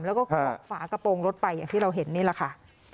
แล้วก็เกาะฝากระโปรงรถไปอย่างที่เราเห็นนี่แหละค่ะ